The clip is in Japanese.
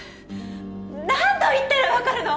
何度言ったら分かるの？